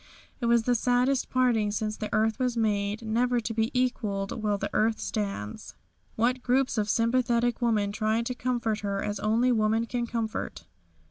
It was the saddest parting since the earth was made, never to be equalled while the earth stands. What groups of sympathetic women trying to comfort her, as only women can comfort!